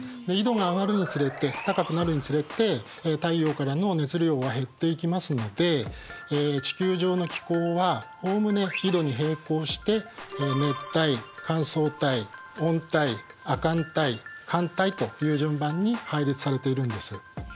緯度が上がるにつれて高くなるにつれて太陽からの熱量は減っていきますので地球上の気候はおおむね緯度に並行して熱帯乾燥帯温帯亜寒帯寒帯という順番に配列されているんです。